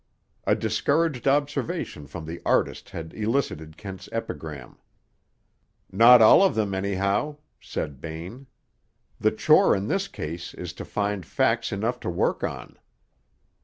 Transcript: A discouraged observation from the artist had elicited Kent's epigram. "Not all of them, anyhow," said Bain. "The chore in this case is to find facts enough to work on."